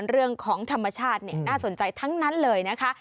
เรื่องของธรรมชาติน่าสนใจทั้งนั้นเลยนะคะ